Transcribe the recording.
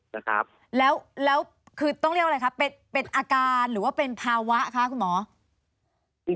นะครับแล้วคือต้องเรียกว่าอะไรคะเป็นเป็นอาการหรือว่าเป็นภาวะคะคุณหมอ